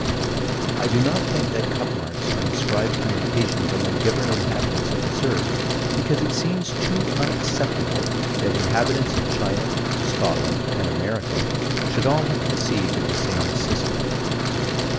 I do not think that cup marks are inscribed communications among different inhabitants of this earth, because it seems too unacceptable that inhabitants of China, Scotland, and America should all have conceived of the same system.